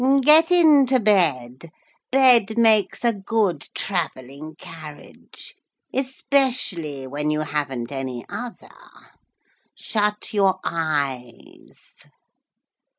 Get into bed. Bed makes a good travelling carriage, especially when you haven't any other. Shut your eyes.'